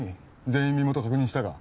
全員身元確認したか？